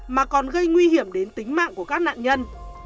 mà còn gây nguy hiểm đến tính mạng của các nạn nhân